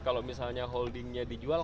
kalau misalnya holdingnya dijual